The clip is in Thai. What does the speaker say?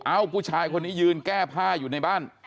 ผู้ชายคนนี้ยืนแก้ผ้าอยู่ในบ้าน